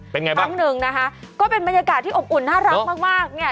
เป็นไงบ้างครั้งหนึ่งนะคะก็เป็นบรรยากาศที่อบอุ่นน่ารักมากมากเนี่ย